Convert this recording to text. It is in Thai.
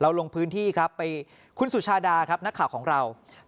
เราลงพื้นที่ครับนักข่าวของเราคุณสุชาดา